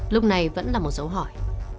lúc này vẫn là một dấu hỏi